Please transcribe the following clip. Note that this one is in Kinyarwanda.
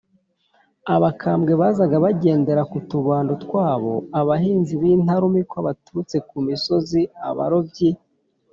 abakambwe bazaga bagendera ku tubando twabo, abahinzi b’intarumikwa baturutse ku misozi, abarobyi